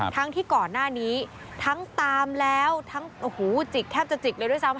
ทั้งที่ก่อนหน้านี้ทั้งตามแล้วแทบจะจิกเลยด้วยซ้ำ